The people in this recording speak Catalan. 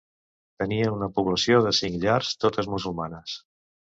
Tenia una població de cinc llars, totes musulmanes.